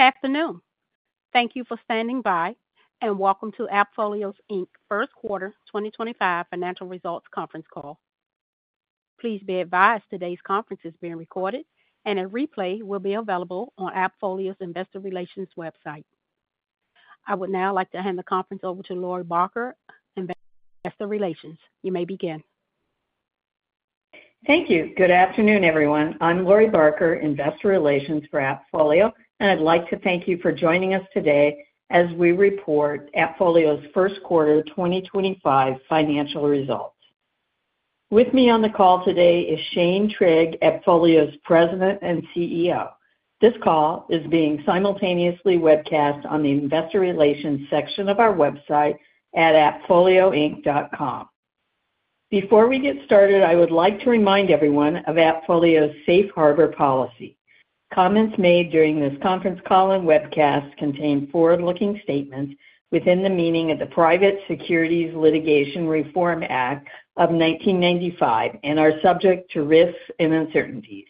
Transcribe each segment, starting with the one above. Good afternoon. Thank you for standing by, and welcome to AppFolio's First Quarter 2025 Financial Results Conference Call. Please be advised today's conference is being recorded, and a replay will be available on AppFolio's Investor Relations website. I would now like to hand the conference over to Lori Barker, Investor Relations. You may begin. Thank you. Good afternoon, everyone. I'm Lori Barker, Investor Relations for AppFolio, and I'd like to thank you for joining us today as we report AppFolio's First Quarter 2025 financial results. With me on the call today is Shane Trigg, AppFolio's President and CEO. This call is being simultaneously webcast on the Investor Relations section of our website at appfolioinc.com. Before we get started, I would like to remind everyone of AppFolio's Safe Harbor policy. Comments made during this conference call and webcast contain forward-looking statements within the meaning of the Private Securities Litigation Reform Act of 1995 and are subject to risks and uncertainties.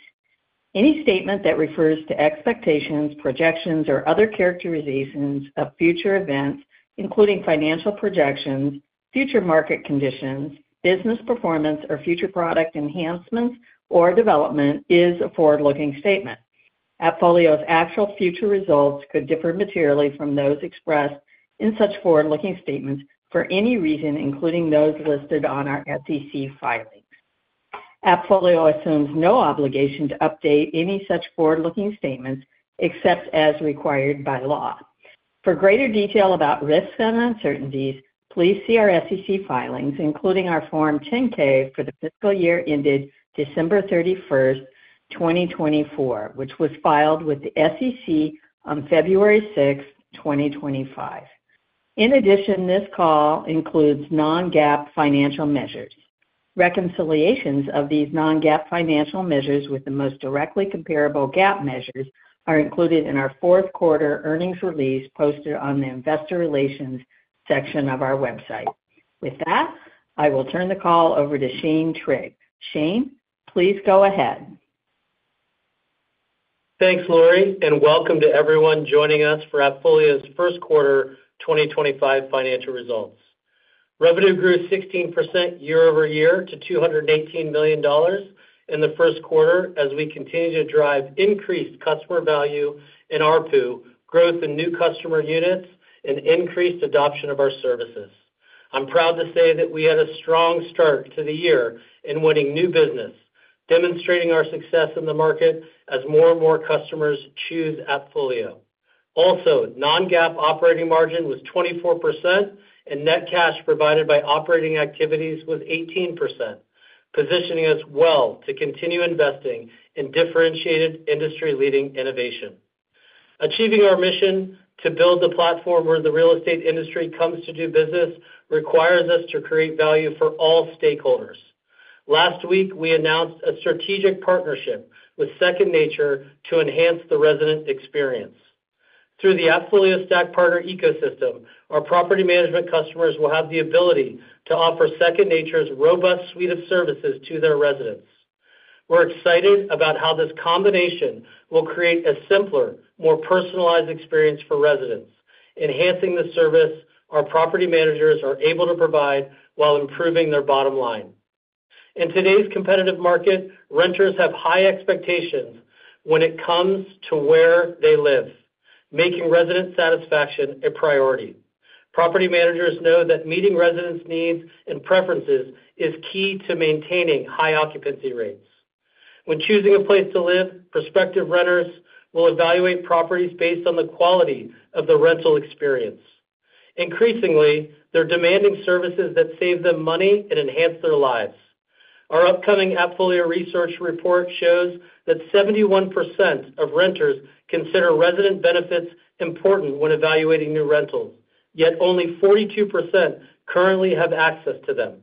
Any statement that refers to expectations, projections, or other characterizations of future events, including financial projections, future market conditions, business performance, or future product enhancements or development, is a forward-looking statement. AppFolio's actual future results could differ materially from those expressed in such forward-looking statements for any reason, including those listed on our SEC filings. AppFolio assumes no obligation to update any such forward-looking statements except as required by law. For greater detail about risks and uncertainties, please see our SEC filings, including our Form 10-K for the fiscal year ended December 31, 2024, which was filed with the SEC on February 6, 2025. In addition, this call includes non-GAAP financial measures. Reconciliations of these non-GAAP financial measures with the most directly comparable GAAP measures are included in our Fourth Quarter Earnings Release posted on the Investor Relations section of our website. With that, I will turn the call over to Shane Trigg. Shane, please go ahead. Thanks, Lori, and welcome to everyone joining us for AppFolio's First Quarter 2025 financial results. Revenue grew 16% year over year to $218 million in the first quarter as we continue to drive increased customer value in our pool, growth in new customer units, and increased adoption of our services. I'm proud to say that we had a strong start to the year in winning new business, demonstrating our success in the market as more and more customers choose AppFolio. Also, non-GAAP operating margin was 24%, and net cash provided by operating activities was 18%, positioning us well to continue investing in differentiated industry-leading innovation. Achieving our mission to build the platform where the real estate industry comes to do business requires us to create value for all stakeholders. Last week, we announced a strategic partnership with Second Nature to enhance the resident experience. Through the AppFolio Stack partner ecosystem, our property management customers will have the ability to offer Second Nature's robust suite of services to their residents. We're excited about how this combination will create a simpler, more personalized experience for residents, enhancing the service our property managers are able to provide while improving their bottom line. In today's competitive market, renters have high expectations when it comes to where they live, making resident satisfaction a priority. Property managers know that meeting residents' needs and preferences is key to maintaining high occupancy rates. When choosing a place to live, prospective renters will evaluate properties based on the quality of the rental experience. Increasingly, they're demanding services that save them money and enhance their lives. Our upcoming AppFolio Research report shows that 71% of renters consider resident benefits important when evaluating new rentals, yet only 42% currently have access to them.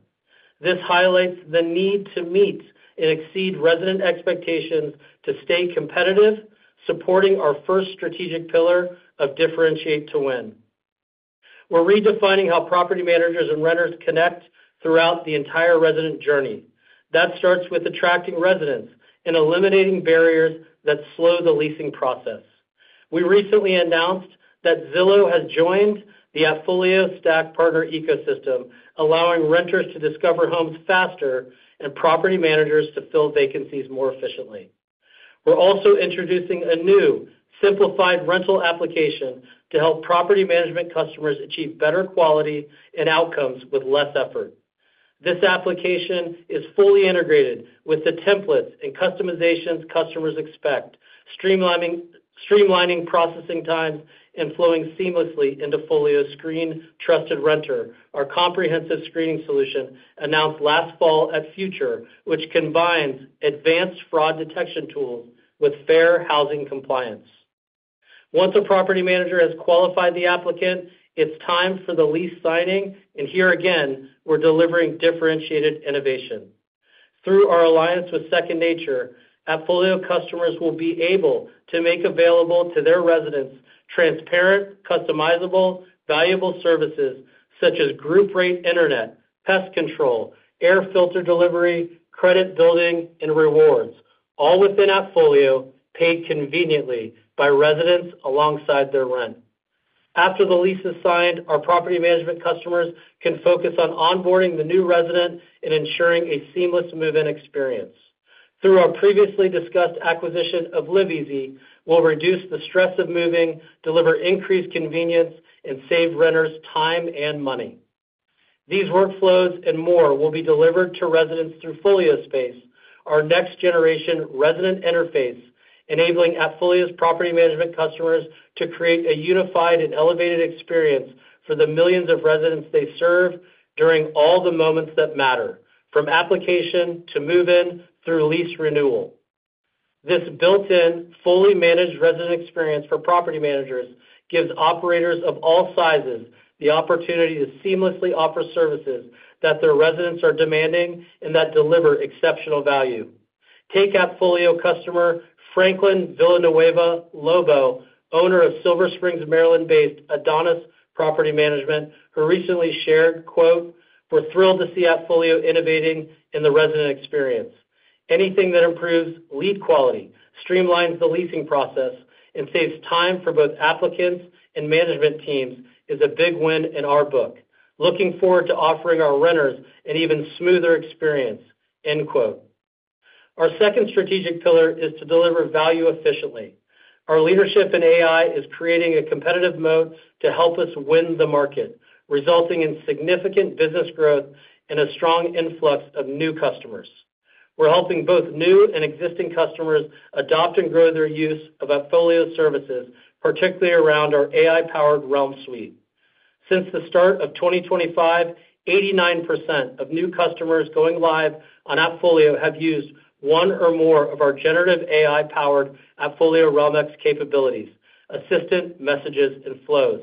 This highlights the need to meet and exceed resident expectations to stay competitive, supporting our first strategic pillar of differentiate to win. We're redefining how property managers and renters connect throughout the entire resident journey. That starts with attracting residents and eliminating barriers that slow the leasing process. We recently announced that Zillow has joined the AppFolio Stack partner ecosystem, allowing renters to discover homes faster and property managers to fill vacancies more efficiently. We're also introducing a new simplified rental application to help property management customers achieve better quality and outcomes with less effort. This application is fully integrated with the templates and customizations customers expect, streamlining processing times and flowing seamlessly into AppFolio's Screen Trusted Renter, our comprehensive screening solution announced last fall at Future, which combines advanced fraud detection tools with fair housing compliance. Once a property manager has qualified the applicant, it's time for the lease signing, and here again, we're delivering differentiated innovation. Through our alliance with Second Nature, AppFolio customers will be able to make available to their residents transparent, customizable, valuable services such as group rate internet, pest control, air filter delivery, credit building, and rewards, all within AppFolio, paid conveniently by residents alongside their rent. After the lease is signed, our property management customers can focus on onboarding the new resident and ensuring a seamless move-in experience. Through our previously discussed acquisition of LiveEasy, we'll reduce the stress of moving, deliver increased convenience, and save renters' time and money. These workflows and more will be delivered to residents through FolioSpace, our next-generation resident interface, enabling AppFolio's property management customers to create a unified and elevated experience for the millions of residents they serve during all the moments that matter, from application to move-in through lease renewal. This built-in, fully managed resident experience for property managers gives operators of all sizes the opportunity to seamlessly offer services that their residents are demanding and that deliver exceptional value. Take AppFolio customer Franklin Villanueva Lobo, owner of Silver Spring, Maryland-based Adonis Property Management, who recently shared, "We're thrilled to see AppFolio innovating in the resident experience. Anything that improves lead quality, streamlines the leasing process, and saves time for both applicants and management teams is a big win in our book. Looking forward to offering our renters an even smoother experience." Our second strategic pillar is to deliver value efficiently. Our leadership in AI is creating a competitive moat to help us win the market, resulting in significant business growth and a strong influx of new customers. We're helping both new and existing customers adopt and grow their use of AppFolio services, particularly around our AI-powered Realm-X suite. Since the start of 2025, 89% of new customers going live on AppFolio have used one or more of our generative AI-powered AppFolio Realm-X capabilities, Assistant, Messages, and Flows.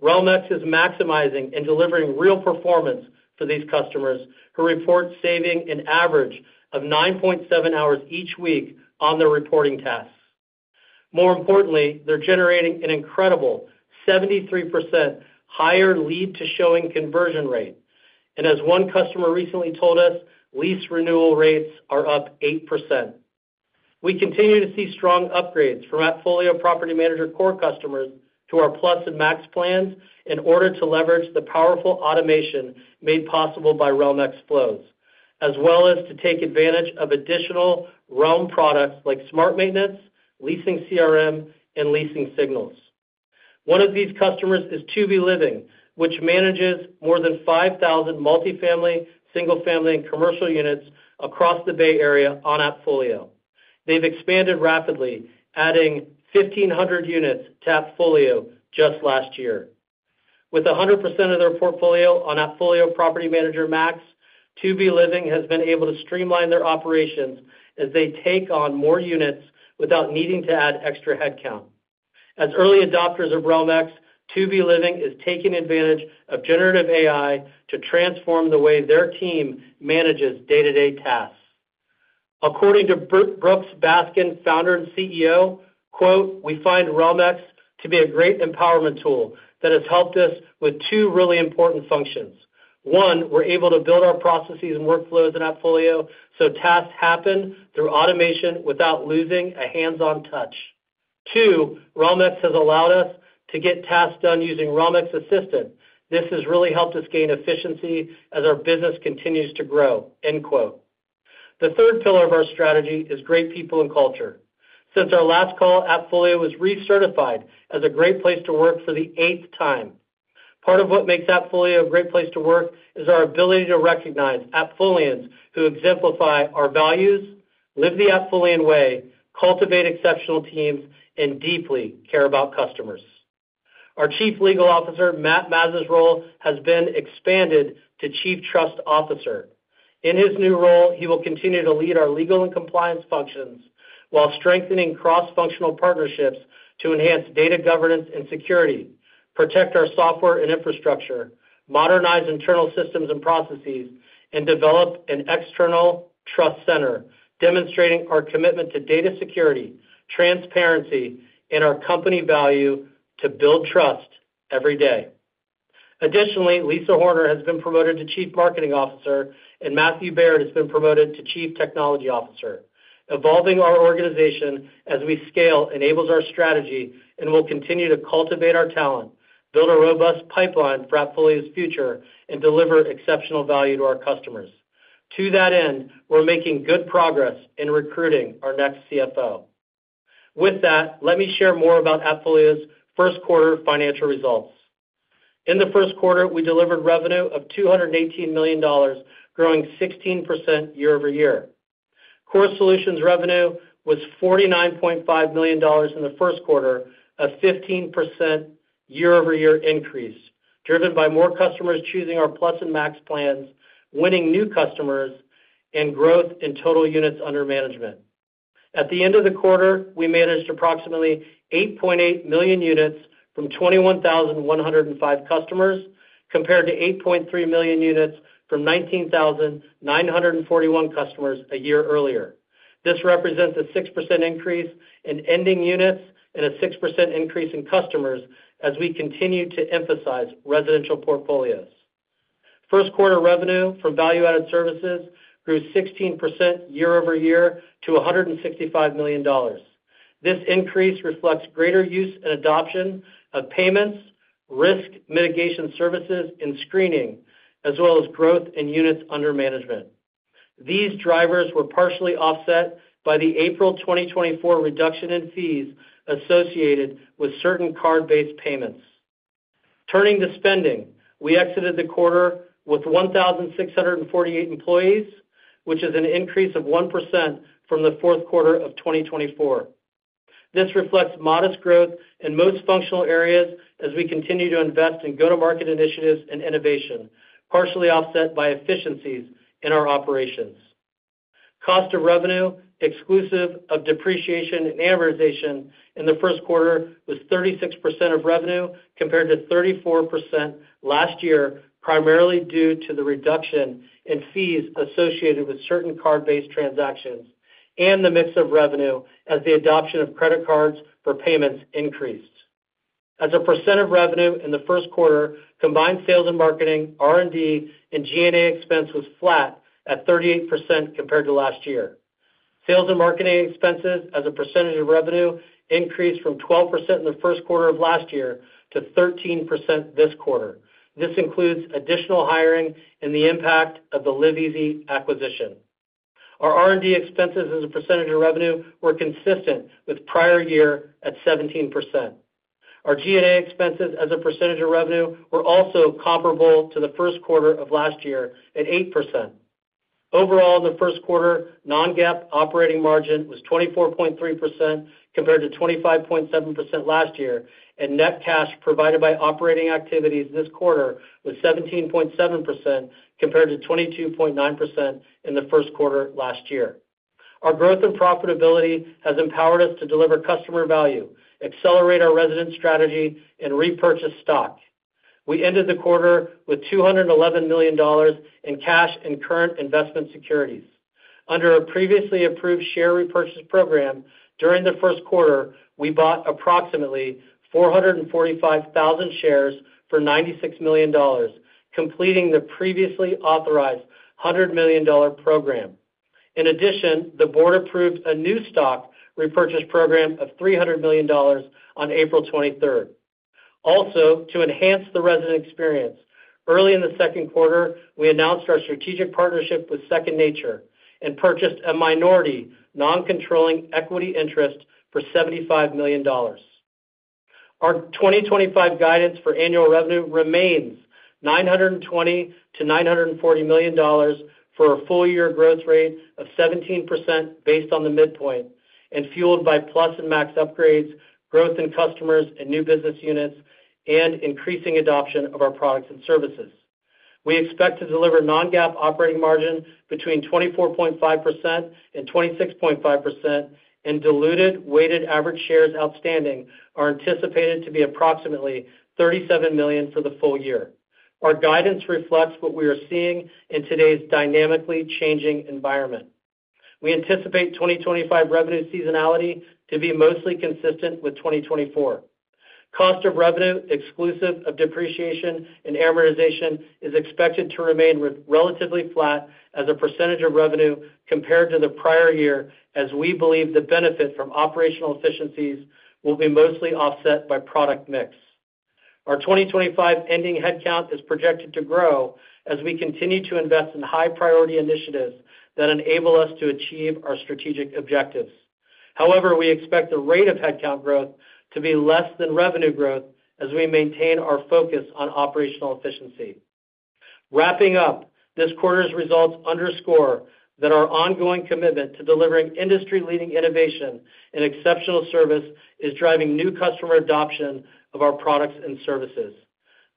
Realm-X is maximizing and delivering real performance for these customers who report saving an average of 9.7 hours each week on their reporting tasks. More importantly, they're generating an incredible 73% higher lead-to-showing conversion rate. As one customer recently told us, lease renewal rates are up 8%. We continue to see strong upgrades from AppFolio Property Manager Core customers to our Plus and Max plans in order to leverage the powerful automation made possible by Realm-X Flows, as well as to take advantage of additional Realm products like Smart Maintenance, Leasing CRM, and Leasing Signals. One of these customers is 2B Living, which manages more than 5,000 multifamily, single-family, and commercial units across the Bay Area on AppFolio. They've expanded rapidly, adding 1,500 units to AppFolio just last year. With 100% of their portfolio on AppFolio Property Manager Max, 2B Living has been able to streamline their operations as they take on more units without needing to add extra headcount. As early adopters of Realm-X, 2B Living is taking advantage of generative AI to transform the way their team manages day-to-day tasks. According to Brooks Baskin, founder and CEO, "We find Realm-X to be a great empowerment tool that has helped us with two really important functions. One, we're able to build our processes and workflows in AppFolio so tasks happen through automation without losing a hands-on touch. Two, Realm-X has allowed us to get tasks done using Realm-X Assistant. This has really helped us gain efficiency as our business continues to grow." The third pillar of our strategy is great people and culture. Since our last call, AppFolio was recertified as a great place to work for the eighth time. Part of what makes AppFolio a great place to work is our ability to recognize AppFolians who exemplify our values, live the AppFolian way, cultivate exceptional teams, and deeply care about customers. Our Chief Legal Officer, Matt Mazza's role has been expanded to Chief Trust Officer. In his new role, he will continue to lead our legal and compliance functions while strengthening cross-functional partnerships to enhance data governance and security, protect our software and infrastructure, modernize internal systems and processes, and develop an external trust center, demonstrating our commitment to data security, transparency, and our company value to build trust every day. Additionally, Lisa Horner has been promoted to Chief Marketing Officer, and Matthew Baird has been promoted to Chief Technology Officer. Evolving our organization as we scale enables our strategy and will continue to cultivate our talent, build a robust pipeline for AppFolio's future, and deliver exceptional value to our customers. To that end, we're making good progress in recruiting our next CFO. With that, let me share more about AppFolio's first quarter financial results. In the first quarter, we delivered revenue of $218 million, growing 16% year over year. Core Solutions revenue was $49.5 million in the first quarter, a 15% year-over-year increase, driven by more customers choosing our Plus and Max plans, winning new customers, and growth in total units under management. At the end of the quarter, we managed approximately 8.8 million units from 21,105 customers, compared to 8.3 million units from 19,941 customers a year earlier. This represents a 6% increase in ending units and a 6% increase in customers as we continue to emphasize residential portfolios. First quarter revenue from value-added services grew 16% year-over-year to $165 million. This increase reflects greater use and adoption of payments, risk mitigation services, and screening, as well as growth in units under management. These drivers were partially offset by the April 2024 reduction in fees associated with certain card-based payments. Turning to spending, we exited the quarter with 1,648 employees, which is an increase of 1% from the fourth quarter of 2024. This reflects modest growth in most functional areas as we continue to invest in go-to-market initiatives and innovation, partially offset by efficiencies in our operations. Cost of revenue, exclusive of depreciation and amortization in the first quarter, was 36% of revenue compared to 34% last year, primarily due to the reduction in fees associated with certain card-based transactions and the mix of revenue as the adoption of credit cards for payments increased. As a percent of revenue in the first quarter, combined sales and marketing, R&D, and G&A expense was flat at 38% compared to last year. Sales and marketing expenses, as a percentage of revenue, increased from 12% in the first quarter of last year to 13% this quarter. This includes additional hiring and the impact of the LiveEasy acquisition. Our R&D expenses, as a percentage of revenue, were consistent with prior year at 17%. Our G&A expenses, as a percentage of revenue, were also comparable to the first quarter of last year at 8%. Overall, in the first quarter, non-GAAP operating margin was 24.3% compared to 25.7% last year, and net cash provided by operating activities this quarter was 17.7% compared to 22.9% in the first quarter last year. Our growth and profitability has empowered us to deliver customer value, accelerate our resident strategy, and repurchase stock. We ended the quarter with $211 million in cash and current investment securities. Under a previously approved share repurchase program, during the first quarter, we bought approximately 445,000 shares for $96 million, completing the previously authorized $100 million program. In addition, the board approved a new stock repurchase program of $300 million on April 23rd. Also, to enhance the resident experience, early in the second quarter, we announced our strategic partnership with Second Nature and purchased a minority non-controlling equity interest for $75 million. Our 2025 guidance for annual revenue remains $920-$940 million for a full-year growth rate of 17% based on the midpoint, and fueled by Plus and Max upgrades, growth in customers and new business units, and increasing adoption of our products and services. We expect to deliver non-GAAP operating margin between 24.5%-26.5%, and diluted weighted average shares outstanding are anticipated to be approximately 37 million for the full year. Our guidance reflects what we are seeing in today's dynamically changing environment. We anticipate 2025 revenue seasonality to be mostly consistent with 2024. Cost of revenue, exclusive of depreciation and amortization, is expected to remain relatively flat as a percentage of revenue compared to the prior year, as we believe the benefit from operational efficiencies will be mostly offset by product mix. Our 2025 ending headcount is projected to grow as we continue to invest in high-priority initiatives that enable us to achieve our strategic objectives. However, we expect the rate of headcount growth to be less than revenue growth as we maintain our focus on operational efficiency. Wrapping up, this quarter's results underscore that our ongoing commitment to delivering industry-leading innovation and exceptional service is driving new customer adoption of our products and services.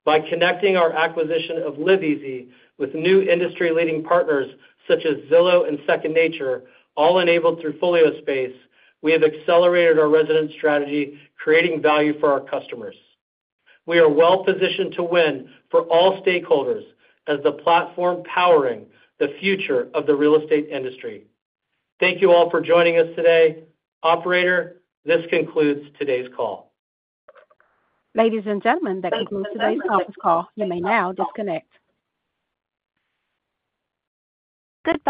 By connecting our acquisition of LiveEasy with new industry-leading partners such as Zillow and Second Nature, all enabled through FolioSpace, we have accelerated our resident strategy, creating value for our customers. We are well-positioned to win for all stakeholders as the platform powering the future of the real estate industry. Thank you all for joining us today. Operator, this concludes today's call. Ladies and gentlemen, that concludes today's office call. You may now disconnect. Goodbye.